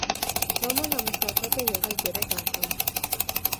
Ռոման ամուսնացած է եղել երեք անգամ։